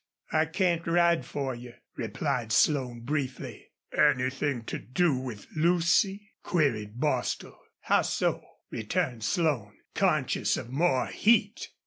"I can't ride for you," replied Slone, briefly. "Anythin' to do with Lucy?" queried Bostil. "How so?" returned Slone, conscious of more heat.